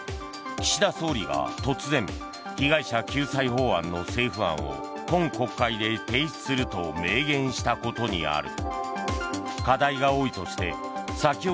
岸田総理が突然被害者救済法案の政府案を今国会で提出すると明言したことにある。